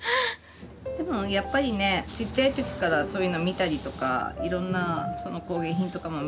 でもやっぱりねちっちゃい時からそういうの見たりとかいろんな工芸品とかも見てるからね。